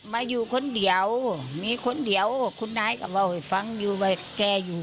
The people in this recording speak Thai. มาอยู่คนเดียวมีคนเดียวคุณนายก็เล่าให้ฟังอยู่ว่าแกอยู่